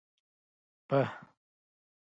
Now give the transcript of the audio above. په